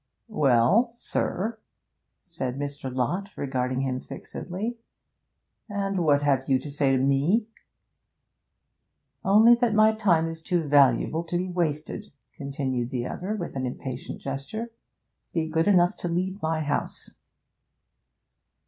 'Well, sir,' said Mr. Lott, regarding him fixedly, 'and what have you to say to me?' 'Only that my time is too valuable to be wasted,' continued the other, with an impatient gesture. 'Be good enough to leave my house.'